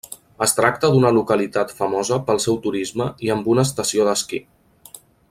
Es tracta d'una localitat famosa pel seu turisme i amb una estació d'esquí.